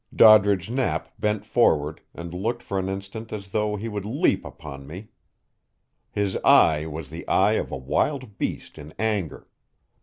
Doddridge Knapp bent forward, and looked for an instant as though he would leap upon me. His eye was the eye of a wild beast in anger.